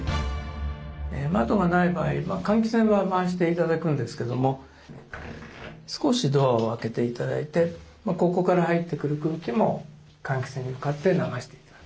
窓がない場合は換気扇は回して頂くんですけども少しドアを開けて頂いてここから入ってくる空気も換気扇に向かって流して頂く。